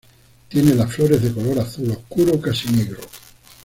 Tiene las flores de color azul oscuro casi negro.